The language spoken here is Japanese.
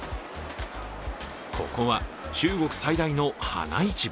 ここは中国最大の花市場。